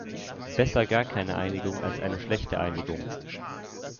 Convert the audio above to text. Besser gar keine Einigung als eine schlechte Einigung!